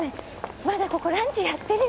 まだここランチやってるよ！